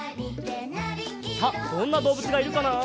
さあどんなどうぶつがいるかな？